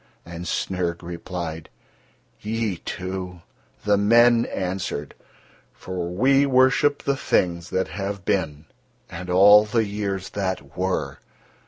And Snyrg replied: "Ye, too?" The men answered: "For we worship the things that have been and all the years that were.